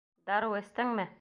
Дарыу эстеңме?